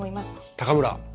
高村